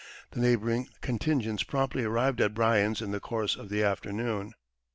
The neighboring contingents promptly arrived at Bryan's in the course of the afternoon.